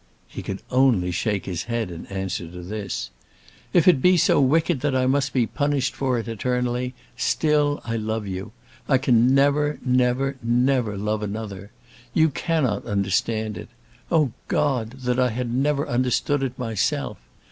He could only shake his head in answer to this. "If it be so wicked that I must be punished for it eternally, still I love you. I can never, never, never love another. You cannot understand it. Oh God, that I had never understood it myself!